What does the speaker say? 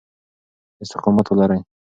استقامت ولرئ.